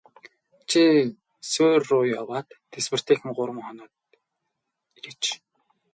Чи суурь руу яваад тэсвэртэйхэн гурав хоноод ирээч.